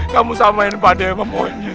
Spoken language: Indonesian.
kamu samain pade sama monyet